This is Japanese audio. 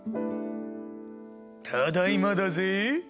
ただいまだぜぇ。